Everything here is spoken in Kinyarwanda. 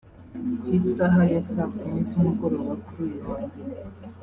Ku isaha ya saa kumi z’umugoroba kuri uyu wa mbere